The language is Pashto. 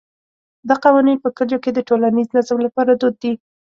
دا قوانین په کلیو کې د ټولنیز نظم لپاره دود دي.